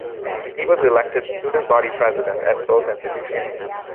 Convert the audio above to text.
He was elected student body president at both institutions.